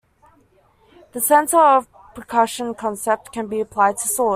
The center of percussion concept can be applied to swords.